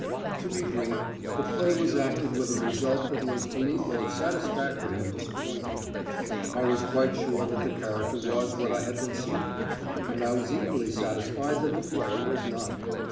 To be brief, the play was acted with a result that was to me both satisfactory and disappointing. I was quite sure that the character was what I had been seeking, and I was equally satisfied that the play was not.